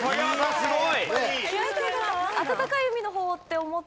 すごーい！